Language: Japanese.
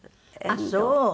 ああそう？